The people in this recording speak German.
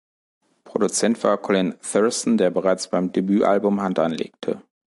Produzent war Colin Thurston, der bereits beim Debütalbum Hand anlegte.